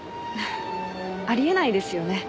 あり得ないですよね。